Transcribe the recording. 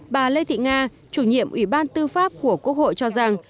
bà lê thị nga chủ nhiệm ủy ban tư pháp của quốc hội cho rằng